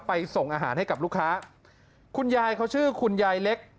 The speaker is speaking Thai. ส่งอาหารให้กับลูกค้าคุณยายเขาชื่อคุณยายเล็ก